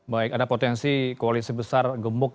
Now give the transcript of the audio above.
baik ada potensi koalisi besar gemuk